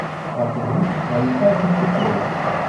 Paqijî navnîşana pêşketinê ye.